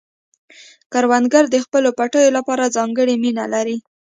کروندګر د خپلو پټیو لپاره ځانګړې مینه لري